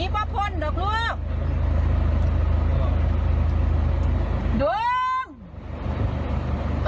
ฟังคุณแม่ช่วงนี้หน่อยนะฮะ